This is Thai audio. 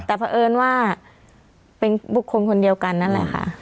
แต่แปลเอิร์นว่าเป็นผู้คนเดียวกันนั่นแหละค่ะ